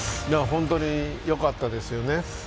本当によかったですよね。